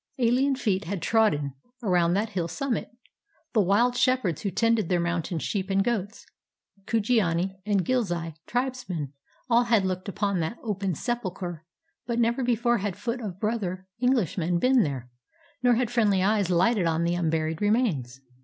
AHen feet had trodden around that hill summit; the wild shepherds who tended their mountain sheep and goats, Kujiani and Ghilzai tribesmen, all had looked upon that open sepulcher; but never before had foot of brother EngHshman been there, nor had friendly eyes lighted on the unburied remains.